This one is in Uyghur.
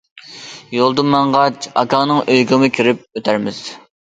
يولدا ماڭغاچ ئاكاڭنىڭ ئۆيىگىمۇ كىرىپ ئۆتەرمىز.